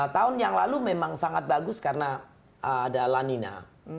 tahun yang lalu memang sangat bagus karena ada lanina